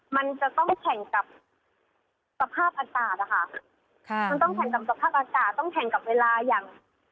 มันจะต้องแข่งกับสภาพอากาศนะคะค่ะมันต้องแข่งกับสภาพอากาศต้องแข่งกับเวลาอย่าง